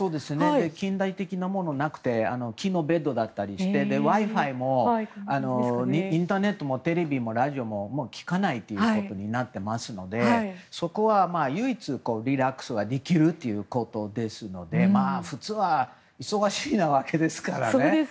近代的なものがなくて木のベッドだったりしてＷｉ‐Ｆｉもインターネットもテレビも、ラジオも聴かないとなってますのでそこは唯一、リラックスができるということですので普通は忙しいわけですからね。